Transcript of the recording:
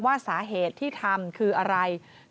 ว่าสาเหตุที่ทำคืออะไร